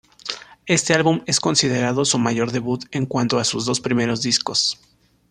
Éste álbum es considerado su mayor debut en cuanto a sus dos primeros discos.